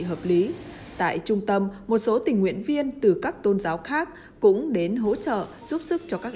hợp lý tại trung tâm một số tình nguyện viên từ các tôn giáo khác cũng đến hỗ trợ giúp sức cho các